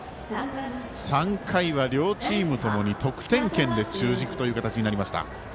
３回は両チームともに得点圏で中軸という形になりました。